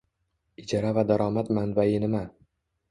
Ijara va daromad manbai nima?